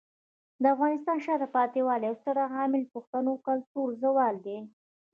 د افغانستان د شاته پاتې والي یو ستر عامل پښتنو کلتوري زوال دی.